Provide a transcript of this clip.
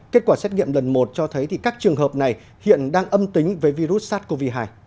kết quả xét nghiệm lần một cho thấy các trường hợp này hiện đang âm tính với virus sars cov hai